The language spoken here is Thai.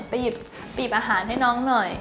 ไปหยิบบีบอาหารให้น้องหน่อย